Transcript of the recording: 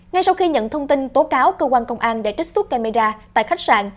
ngay sau khi nhận thông tin tố cáo cơ quan công an đã trích xuất camera tại khách sạn